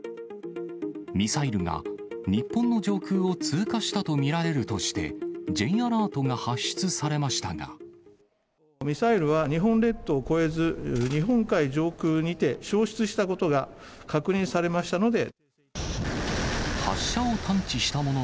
ミサイルが日本の上空を通過したと見られるとして、Ｊアラートがミサイルは、日本列島を越えず、日本海上空にて消失したことが確認されましたので。